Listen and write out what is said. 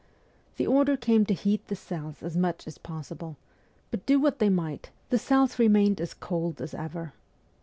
The order came to heat the cells as much as possible ; but do what they might, the cells remained as cold as ever.